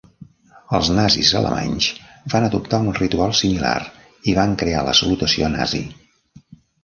Els nazis alemanys van adoptar un ritual similar i van crear la salutació nazi.